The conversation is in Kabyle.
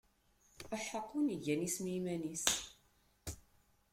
Uḥeqq win igan isem i yiman-is!